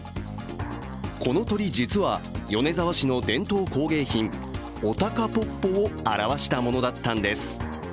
この鳥、実は米沢市の伝統工芸品、お鷹ぽっぽを表したものだったんです。